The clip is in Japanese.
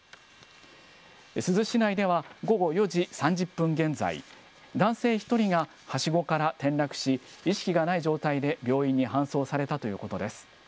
珠洲市内では午後４時３０分現在、男性１人がはしごから転落し、意識がない状態で病院に搬送されたということです。